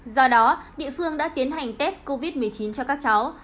do đó địa phương đã tiến hành test covid một mươi chín cho các cháu